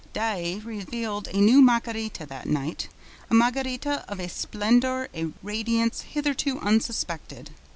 Daae revealed a new Margarita that night, a Margarita of a splendor, a radiance hitherto unsuspected.